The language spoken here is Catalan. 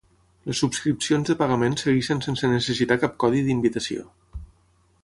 Les subscripcions de pagament segueixen sense necessitar cap codi d'invitació.